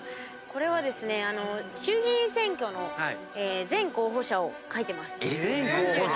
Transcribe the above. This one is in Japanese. これはですね衆議院選挙の全候補者を書いてます。